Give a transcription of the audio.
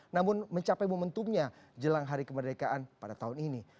namun mencapai momentumnya jelang hari kemerdekaan pada tahun ini